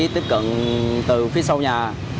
tiếp cận từ phía sau nhà